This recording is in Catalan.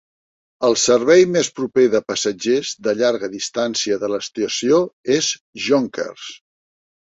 El servei més proper de passatgers de llarga distància de l'estació és Yonkers.